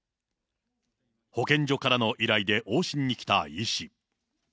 保健所からの依頼で往診に来た医師。